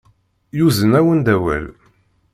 Yuzen-awen-d awal.